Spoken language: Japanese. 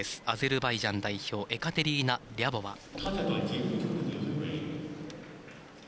アゼルバイジャン代表エカテリーナ・リャボワ。